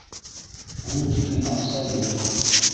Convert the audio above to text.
— Ул тиклем аҡса юҡ.